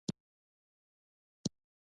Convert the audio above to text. هر کار په بسم الله پیل کړئ.